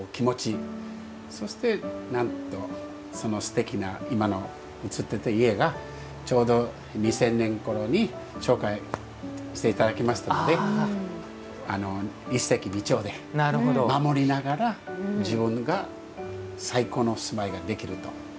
そしてなんとそのすてきな今の映ってた家がちょうど２０００年頃に紹介して頂きましたので一石二鳥で守りながら自分が最高の住まいができると。